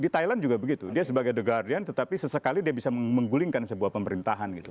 di thailand juga begitu dia sebagai the guardian tetapi sesekali dia bisa menggulingkan sebuah pemerintahan gitu